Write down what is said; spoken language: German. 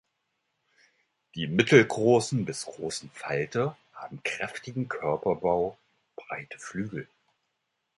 Die mittelgroßen bis großen Falter haben kräftigen Körperbau und breite Flügel.